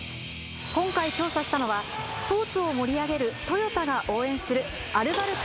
今回調査したのはスポーツを盛り上げるトヨタが応援するアルバルク